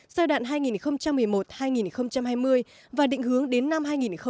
giai đoạn hai nghìn một mươi một hai nghìn hai mươi và định hướng đến năm hai nghìn ba mươi